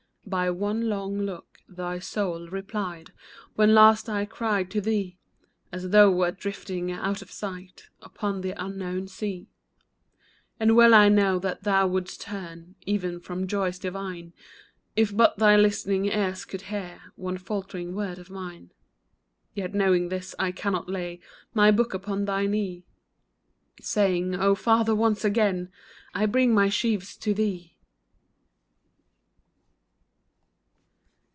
By one long look thy soul replied When last I cried to thee, As thou wert drifting out of sight Upon the unknown sea ; And well I know that thou wouldst turn Even from joys divine, If but thy listening ears could hear One faltering word of mine. Yet, knowing this, I cannot lay My book upon thy knee. Saying, " O father, once again I bring my sheaves to thee